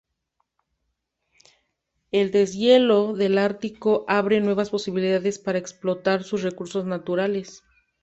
El deshielo del Ártico abre nuevas posibilidades para explotar sus recursos naturales.